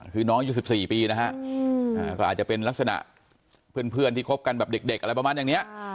คือน้องอยู่๑๔ปีนะฮะก็อาจจะเป็นลักษณะเพื่อนที่คบกันแบบเด็กอะไรประมาณอย่างนี้